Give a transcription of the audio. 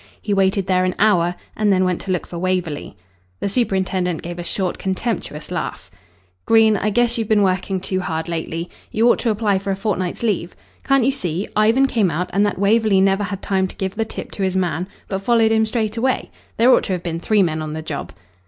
He waited there an hour, and then went to look for Waverley." The superintendent gave a short, contemptuous laugh. "Green, I guess you've been working too hard lately. You ought to apply for a fortnight's leave. Can't you see, Ivan came out and that Waverley never had time to give the tip to his man, but followed him straight away? There ought to have been three men on the job."